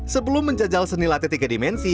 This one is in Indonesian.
sebelum menjajal seni latin tiga dimensi